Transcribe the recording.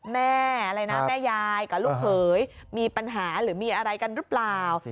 แม่อะไรนะแม่ยายกับลูกเขยมีปัญหาหรือมีอะไรกันหรือเปล่า